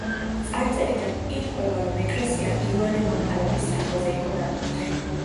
წარწერიდან ირკვევა რომ ეკლესია იოანე მახარებლის სახელზე იყო ნაკურთხი.